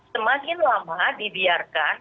semakin lama dibiarkan